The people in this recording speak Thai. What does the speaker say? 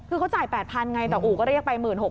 คือเขาจ่าย๘๐๐ไงแต่อู่ก็เรียกไป๑๖๐๐